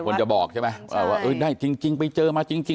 คือยืมยันเลยร้อยเปอร์เซ็นต์ถ้าไปขอโหยบ้างไหมครับ